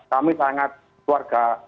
kami sangat keluarga